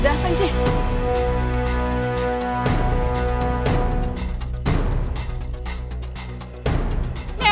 pak jangan pak